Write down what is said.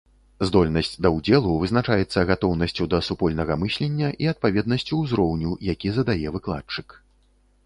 Здольнасць да ўдзелу вызначаецца гатоўнасцю да супольнага мыслення і адпаведнасцю ўзроўню, які задае выкладчык.